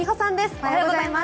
おはようございます。